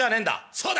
「そうだ！」。